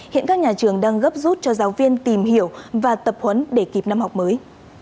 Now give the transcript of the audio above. hiện các nhà trường đang gấp rút cho giáo viên tìm hiểu và tập huấn để kịp năm học mới